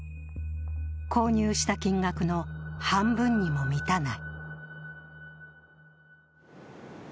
購入した金額の半分にも満たない。